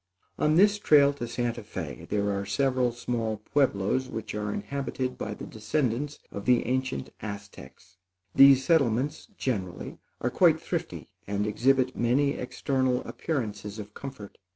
On this trail to Santa Fé, there are several small Pueblos which are inhabited by the descendants of the ancient Aztecs. These settlements, generally, are quite thrifty, and exhibit many external appearances of comfort.